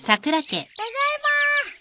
ただいま！